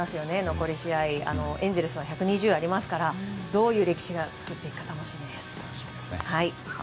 残り試合、エンゼルスは１２０ありますからどういう歴史を作っていくか楽しみです。